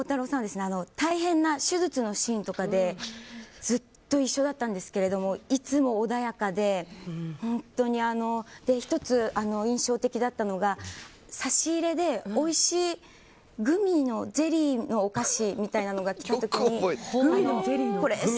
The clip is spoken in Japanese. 大変な手術のシーンとかでずっと一緒だったんですがいつも穏やかで１つ印象的だったのが差し入れでおいしいグミのゼリーのお菓子みたいなのが来た時に。